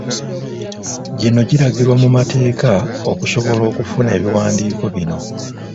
Gino giragirwa mu mateeka okusobola okufuna ebiwandiiko bino.